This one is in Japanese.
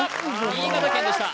新潟県でした